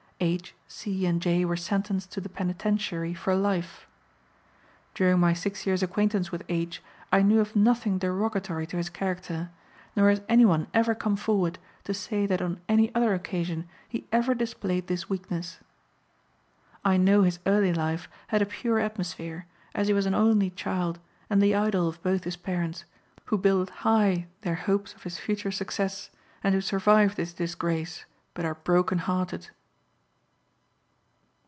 H., C., and J. were sentenced to the penitentiary for life. During my six years' acquaintance with H. I knew of nothing derogatory to his character, nor has anyone ever come forward to say that on any other occasion he ever displayed this weakness. I know his early life had a pure atmosphere, as he was an only child and the idol of both his parents, who builded high their hopes of his future success, and who survive this disgrace, but are broken hearted.